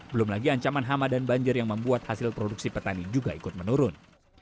belum lagi ancaman hama dan banjir yang membuat hasil produksi petani juga ikut menurun